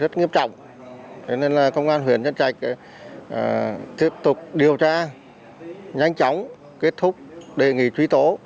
rất nghiêm trọng cho nên là công an huyện nhân trạch tiếp tục điều tra nhanh chóng kết thúc đề nghị truy tố